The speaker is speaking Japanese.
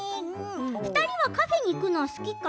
お二人はカフェに行くのが好きですか？